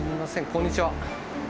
こんにちは。